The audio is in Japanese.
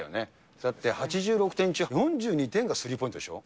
だって８６点中４２点がスリーポイントでしょ？